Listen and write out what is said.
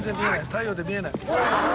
太陽で見えない。